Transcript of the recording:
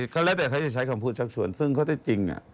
ก็แล้วแต่ใช้คำพูดชักชวนซึ่งเขาได้จริง